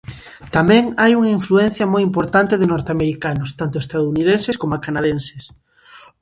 Tamén hai unha influencia moi importante de norteamericanos, tanto estadounidenses coma canadenses.